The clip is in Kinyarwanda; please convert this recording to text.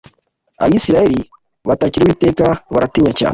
Abisirayeli batakira Uwiteka baratinya cyane